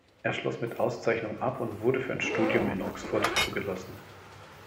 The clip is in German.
Er schloss mit Auszeichnung ab und wurde für ein Studium in Oxford zugelassen.